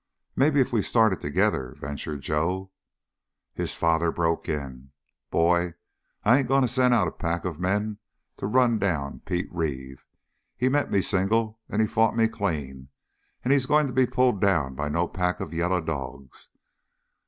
"Maybe, if we started together " ventured Joe. His father broke in, "Boy, I ain't going to send out a pack of men to run down Pete Reeve. He met me single and he fought me clean, and he's going to be pulled down by no pack of yaller dogs!